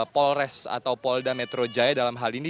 polres atau polda metro jaya dalam hal ini